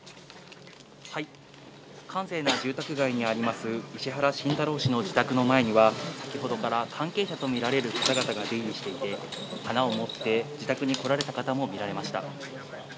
閑静な住宅街にあります、石原慎太郎氏の自宅の前には、先ほどから関係者と見られる方々が出入りしていて、花を持って自宅に来られた方も見られました。